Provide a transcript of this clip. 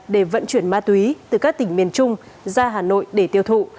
để vận chuyển ma túy từ các tỉnh miền trung ra hà nội để tiêu thụ